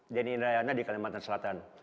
denny indrayana di kalimantan selatan